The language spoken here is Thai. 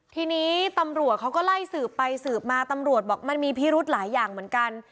ทีนี้ตำรวจเขาก็ไล่สืบไปสืบมาตำรวจบอกมันมีพิรุธหลายอย่างเหมือนกัน